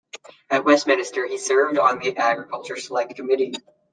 At Westminster, he served on the Agriculture Select Committee.